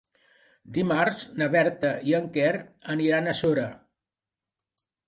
Dimarts na Berta i en Quer aniran a Sora.